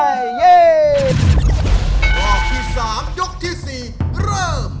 อันต่อที่๓ยกที่๔เริ่ม